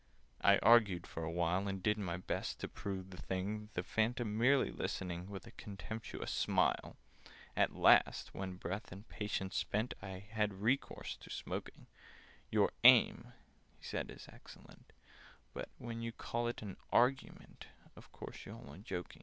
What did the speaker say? I argued for a while, And did my best to prove the thing— The Phantom merely listening With a contemptuous smile. At last, when, breath and patience spent, I had recourse to smoking— "Your aim," he said, "is excellent: But—when you call it argument— Of course you're only joking?"